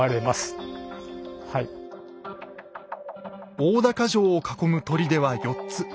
大高城を囲む砦は４つ。